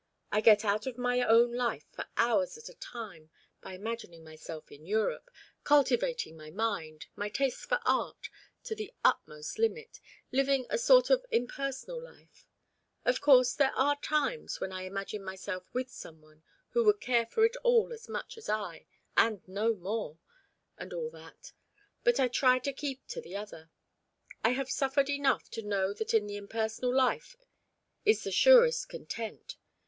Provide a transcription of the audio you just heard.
I get out of my own life for hours at a time by imagining myself in Europe, cultivating my mind, my taste for art, to their utmost limit, living a sort of impersonal life Of course there are times when I imagine myself with some one who would care for it all as much as I, and know more and all that. But I try to keep to the other. I have suffered enough to know that in the impersonal life is the surest content.